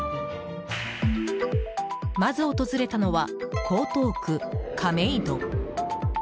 まず訪れたのは江東区亀戸。